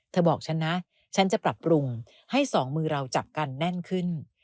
บอกฉันนะฉันจะปรับปรุงให้สองมือเราจับกันแน่นขึ้น